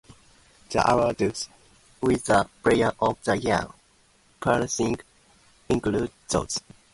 The awards with the "player of the year" phrasing include these.